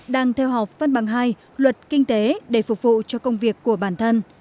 đang theo học văn bằng hai luật kinh tế để phục vụ cho công việc của bản thân